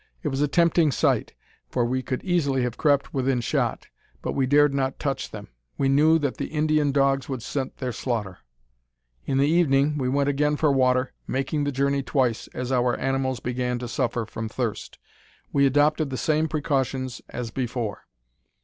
It was a tempting sight, for we could easily have crept within shot, but we dared not touch them. We knew that the Indian dogs would scent their slaughter. In the evening we went again for water, making the journey twice, as our animals began to suffer from thirst. We adopted the same precautions as before.